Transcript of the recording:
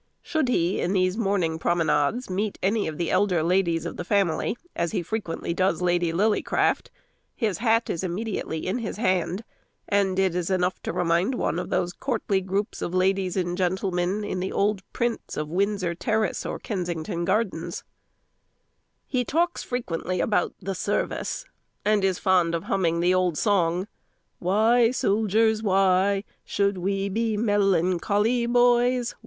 Should he, in these morning promenades, meet any of the elder ladies of the family, as he frequently does Lady Lillycraft, his hat is immediately in his hand, and it is enough to remind one of those courtly groups of ladies and gentlemen, in old prints of Windsor Terrace or Kensington Gardens. [Illustration: General Harbottle] He talks frequently about "the service," and is fond of humming the old song, "Why, soldiers, why, Should we be melancholy, boys?